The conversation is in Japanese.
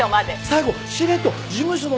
最後しれっと事務所の宣伝まで。